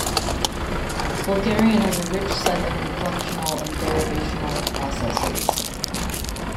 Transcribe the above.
Bulgarian has a rich set of inflectional and derivational processes.